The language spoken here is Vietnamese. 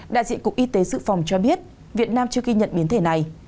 đại diện cục y tế sự phòng cho biết việt nam chưa ghi nhận biến thể này